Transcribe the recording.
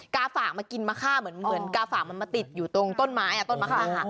กาฝากมันกินมะค่าเหมือนกาฝากมันมาติดอยู่ตรงต้นไม้อ่ะ